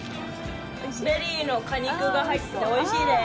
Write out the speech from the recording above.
ベリーの果肉が入ってておいしいです。